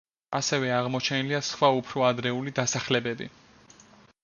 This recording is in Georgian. ასევე აღმოჩენილია სხვა უფრო ადრეული დასახლებები.